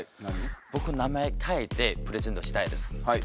僕名前書いてプレゼントしたいです。